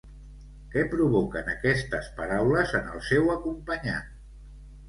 Què provoquen aquestes paraules en el seu acompanyant?